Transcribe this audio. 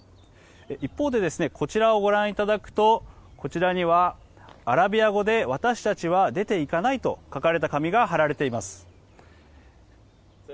一方で、こちらをご覧いただくとこちらにはアラビア語で「私たちは出ていかない」と書かれた紙が貼られています。